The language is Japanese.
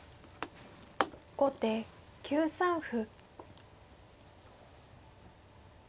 後手９三歩。